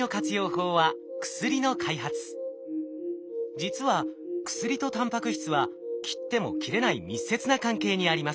法は実は薬とタンパク質は切っても切れない密接な関係にあります。